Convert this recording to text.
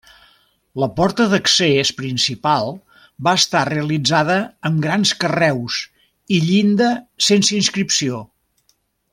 La porta d'accés principal va estar realitzada amb grans carreus i llinda sense inscripció.